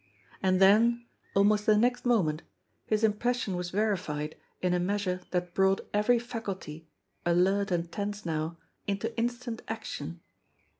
And then, almost the next moment, his impression was verified in a measure that brought every faculty, alert and tense now, into instant action.